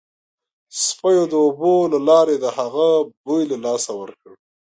سپیو د اوبو له لارې د هغه بوی له لاسه ورکړ